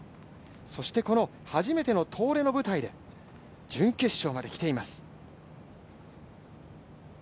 そしてこの初めての東レの舞台で準決勝まで来ています。